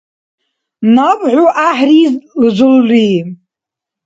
Наб хӀу гӀяхӀрилзулри